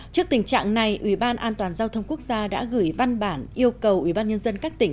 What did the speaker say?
trước tình trạng này ủy ban an toàn giao thông quốc gia đã gửi văn bản yêu cầu ủy ban nhân dân các tỉnh